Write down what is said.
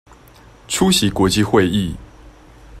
出席國際會議